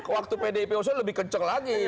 waktu pdip oso lebih kenceng lagi